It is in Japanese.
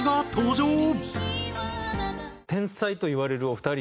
天才といわれるお二人。